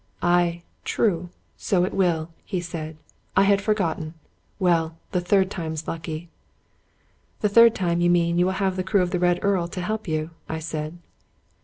" Aye, true ; so it will," he said. " I had forgotten. Well, the third time's lucky." " The third time, you mean, you will have the crew of the ' Red Earl ' to help," I said.